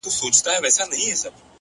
لوړ همت ستړې پښې نه احساسوي.!